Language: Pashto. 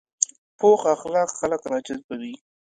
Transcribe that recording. پوخ اخلاق خلک راجذبوي